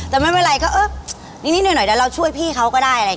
แต่ไม่เวลาเขาเออนิดหน่อยเดี๋ยวเราช่วยพี่เขาก็ได้